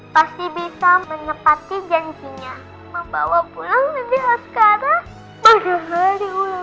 dan bisa menularkan ketegaran itu ke orang lain